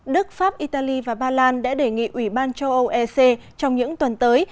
đức pháp italy và ba lan đã đề nghị ủy ban châu âu ec trong những tuần tới